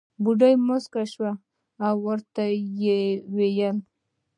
بوډۍ موسکۍ شوه او ورته وې وېل.